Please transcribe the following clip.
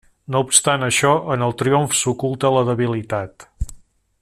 No obstant això, en el triomf s'oculta la debilitat.